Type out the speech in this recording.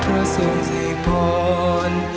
พระส่งใส่พรวน